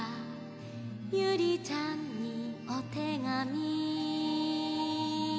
「ユリちゃんにお手紙」